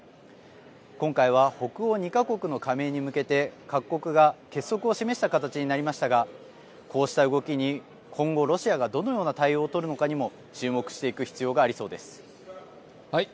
今回は北欧２か国の加盟に向けて各国が結束を示した形になりましたがこうした動きに今後、ロシアがどのような対応を取るのかにも注目していく必要がはい。